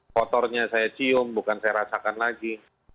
kotornya saya cium bukan saya rasakan lagi